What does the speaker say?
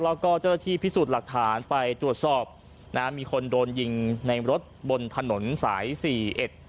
แล้วก็เจ้าหน้าที่พิสูจน์หลักฐานไปตรวจสอบนะฮะมีคนโดนยิงในรถบนถนนสายสี่เอ็ด